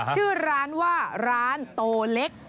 ชื่อร้านว่าร้านโตเล็ก